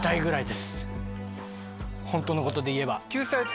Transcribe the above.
ホントのことで言えば。